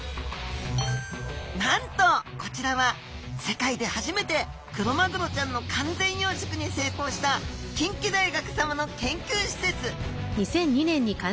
なんとこちらは世界で初めてクロマグロちゃんの完全養殖に成功した近畿大学さまの研究施設。